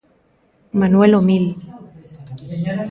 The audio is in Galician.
Manuel Omil.